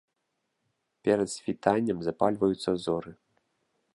Перад світаннем запальваюцца зоры.